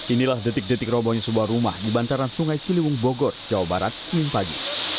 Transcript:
inilah detik detik robohnya sebuah rumah di bantaran sungai ciliwung bogor jawa barat senin pagi